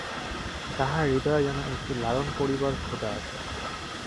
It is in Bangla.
তাহার হৃদয়ে যেন একটি লালন করিবার ক্ষুধা আছে।